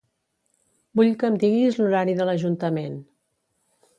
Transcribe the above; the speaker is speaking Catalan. Vull que em diguis l'horari de l'Ajuntament.